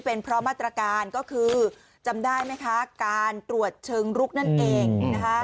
เป็นเพราะมาตรการก็คือจำได้ไหมคะการตรวจเชิงลุกนั่นเองนะคะ